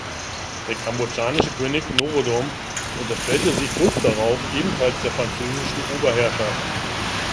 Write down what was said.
Der kambodschanische König Norodom unterstellte sich kurz darauf ebenfalls der französischen Oberherrschaft.